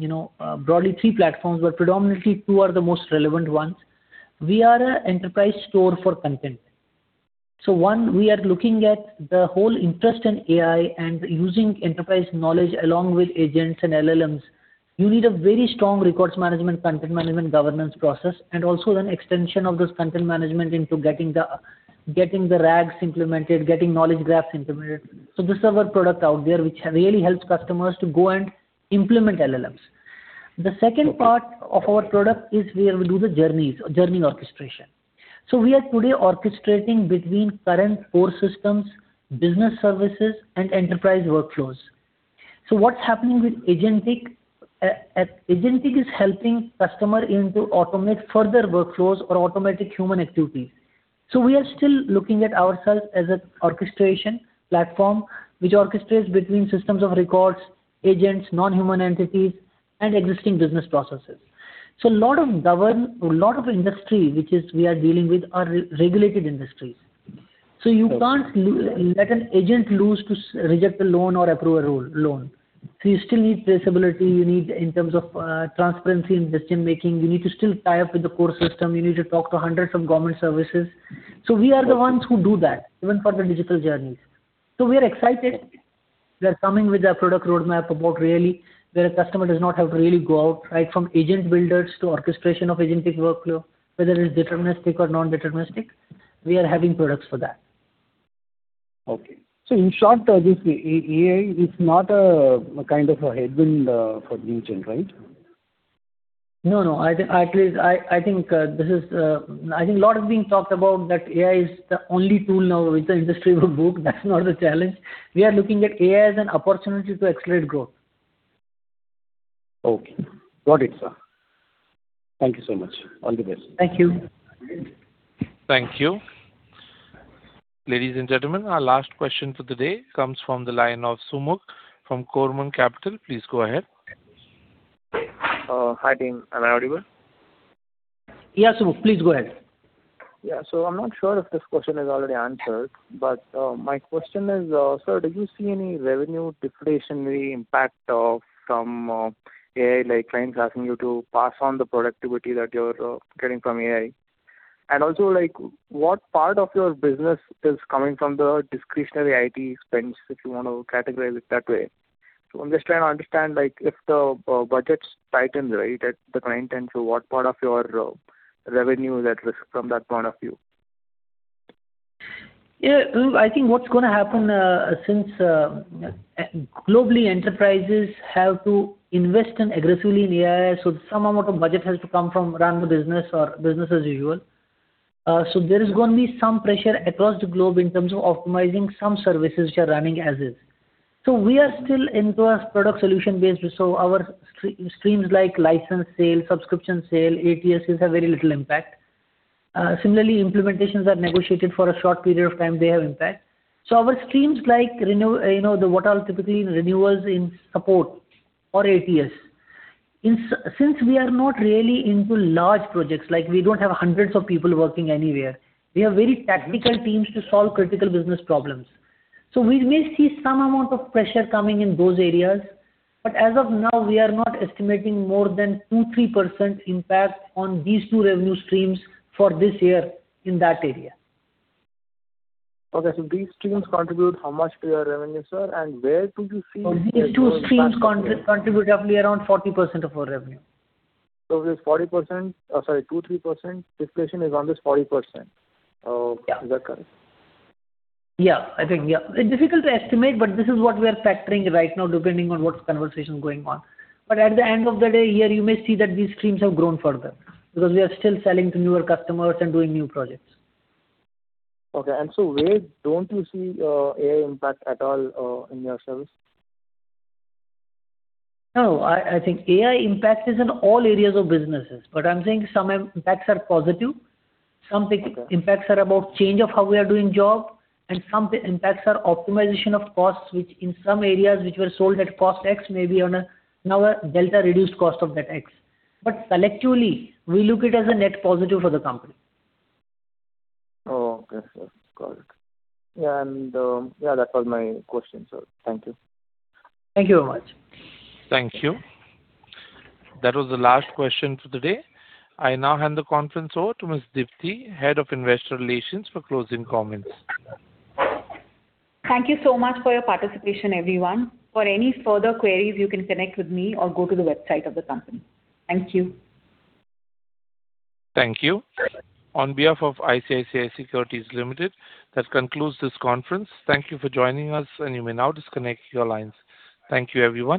you know, broadly three platforms, but predominantly two are the most relevant ones. We are an enterprise software for content. One, we are looking at the whole interest in AI and using enterprise knowledge along with agents and LLMs. You need a very strong records management, content management, governance process, and also an extension of this content management into getting the RAG implemented, getting knowledge graphs implemented. This is our product out there, which really helps customers to go and implement LLMs. The second part of our product is where we do the journeys, journey orchestration. We are today orchestrating between current core systems, business services and enterprise workflows. What's happening with agentic? Agentic is helping customers to automate further workflows or automate human activities. We are still looking at ourselves as an orchestration platform which orchestrates between systems of records, agents, non-human entities, and existing business processes. A lot of industry, which we are dealing with, are regulated industries. You can't let an agent loose to reject a loan or approve a loan. You still need traceability, you need in terms of transparency in decision-making. You need to still tie up with the core system. You need to talk to hundreds of government services. We are the ones who do that, even for the digital journeys. We are excited. We are coming with a product roadmap about really where a customer does not have to really go out, right? From agent builders to orchestration of agentic workflow, whether it's deterministic or non-deterministic, we are having products for that. In short, this AI is not a kind of a headwind for Newgen, right? No, no. At least I think a lot is being talked about that AI is the only tool now which the industry will boot. That's not the challenge. We are looking at AI as an opportunity to accelerate growth. Okay. Got it, sir. Thank you so much. All the best. Thank you. Thank you. Ladies and gentlemen, our last question for the day comes from the line of Sumukh from Koormang Capital. Please go ahead. hi, team. Am I audible? Yeah, Sumukh. Please go ahead. Yeah. I'm not sure if this question is already answered, but my question is, sir, do you see any revenue deflationary impact of from AI, like clients asking you to pass on the productivity that you're getting from AI? Like, what part of your business is coming from the discretionary IT spends, if you want to categorize it that way? I'm just trying to understand, like, if the budgets tighten, right, at the client end, so what part of your revenue is at risk from that point of view? Yeah. I think what's gonna happen, since globally enterprises have to invest in aggressively in AI, some amount of budget has to come from run the business or business as usual. There is gonna be some pressure across the globe in terms of optimizing some services which are running as is. We are still into a product solution business, our streams like license sale, subscription sale, ATSs have very little impact. Similarly, implementations are negotiated for a short period of time, they have impact. Our streams like renew, you know, the what are typically renewals in support or ATS. Since we are not really into large projects, like we don't have hundreds of people working anywhere. We have very tactical teams to solve critical business problems. We may see some amount of pressure coming in those areas. As of now, we are not estimating more than 2%-3% impact on these two revenue streams for this year in that area. Okay. These streams contribute how much to your revenue, sir? Where do you see. These two streams contribute roughly around 40% of our revenue. This 40%, sorry, 2%-3% deflation is on this 40%. Yeah. Is that correct? Yeah. I think, yeah. It's difficult to estimate, but this is what we are factoring right now, depending on what conversation is going on. At the end of the day, yeah, you may see that these streams have grown further because we are still selling to newer customers and doing new projects. Okay. Where don't you see AI impact at all in your service? No, I think AI impact is in all areas of businesses. I'm saying some impacts are positive, some impacts are about change of how we are doing job, and some impacts are optimization of costs, which in some areas which were sold at cost X, may be on a now a delta reduced cost of that X. Collectively, we look it as a net positive for the company. Oh, okay. Sure. Got it. Yeah, and, yeah, that's all my questions, sir. Thank you. Thank you very much. Thank you. That was the last question for the day. I now hand the conference over to Ms. Dipti, Head of Investor Relations, for closing comments. Thank you so much for your participation, everyone. For any further queries, you can connect with me or go to the website of the company. Thank you. Thank you. On behalf of ICICI Securities Limited, that concludes this conference. Thank you for joining us, and you may now disconnect your lines. Thank you, everyone.